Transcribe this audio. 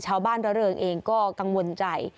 ชาวบ้านระเริงเองก็กังวลใจ